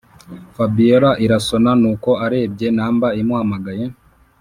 fabiora irasona nuko arebye number imuhamagaye